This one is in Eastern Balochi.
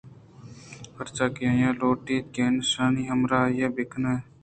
پرچا کہ آئی ءَ لوٹ اِت کہ ایشانی ہمرائی ءَ بہ روت